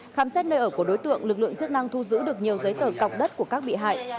khám xét nơi ở của đối tượng lực lượng chức năng thu giữ được nhiều giấy tờ cọc đất của các bị hại